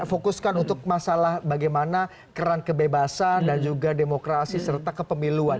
fokuskan untuk masalah bagaimana keran kebebasan dan juga demokrasi serta kepemiluan